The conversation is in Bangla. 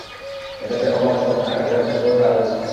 এটাতে অবাক হবে না, আরেকটা জঘন্য কাজ আছে।